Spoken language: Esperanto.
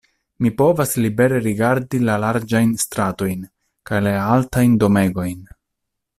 Mi povas libere rigardi la larĝajn stratojn kaj la altajn domegojn.